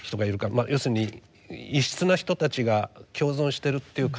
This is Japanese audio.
要するに異質な人たちが共存してるっていう感覚